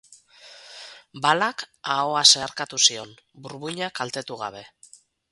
Balak ahoa zeharkatu zion, burmuina kaltetu gabe.